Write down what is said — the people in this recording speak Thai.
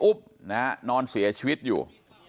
นะฮะนอนเสียชีวิตอยู่